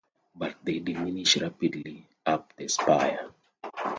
But they diminish rapidly up the spire.